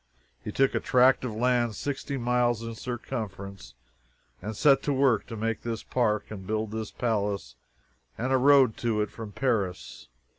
He took a tract of land sixty miles in circumference and set to work to make this park and build this palace and a road to it from Paris.